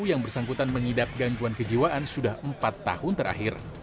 yang bersangkutan mengidap gangguan kejiwaan sudah empat tahun terakhir